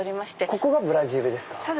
ここがブラジルですか。